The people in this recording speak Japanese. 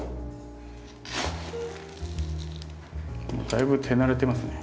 だいぶ手慣れてますね。